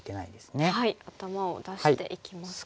頭を出していきますか。